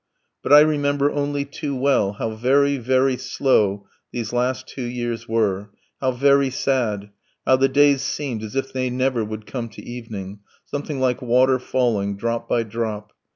But I remember only too well how very, very slow these last two years were, how very sad, how the days seemed as if they never would come to evening, something like water falling drop by drop.